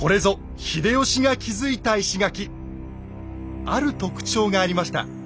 これぞある特徴がありました。